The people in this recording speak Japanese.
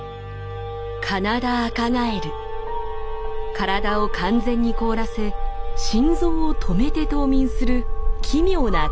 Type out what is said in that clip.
体を完全に凍らせ心臓を止めて冬眠する奇妙なカエルだ。